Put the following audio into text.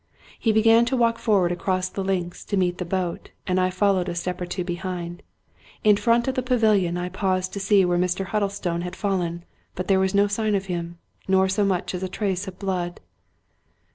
He began to walk forward across the links to meet the boat, and I followed a step or two behind. In front of the pavilion I paused to see where Mr. Huddlestone had fallen r but there was no sign of him, nor so much as a trace of blood.